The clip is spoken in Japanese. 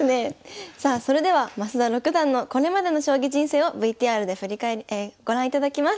さあそれでは増田六段のこれまでの将棋人生をＶＴＲでご覧いただきます。